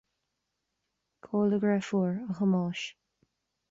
Cá bhfuil do dheirfiúr, a Thomáis